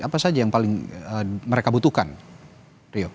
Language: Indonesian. apa saja yang paling mereka butuhkan rio